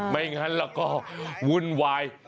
ไม่งั้นแล้วก็วุ่นวาย